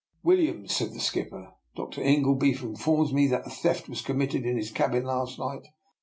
" Williams," said the skipper, " Dr. Ingle by informs me that a theft was committed in his cabin last night.